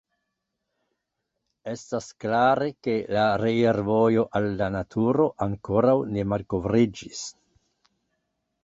Estas klare ke la reirvojo al la naturo ankoraŭ ne malkovriĝis.